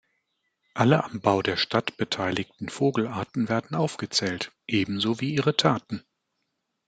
Alle am Bau der Stadt beteiligten Vogelarten werden aufgezählt, ebenso wie ihre Taten.